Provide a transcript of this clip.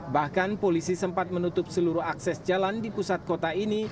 bahkan polisi sempat menutup seluruh akses jalan di pusat kota ini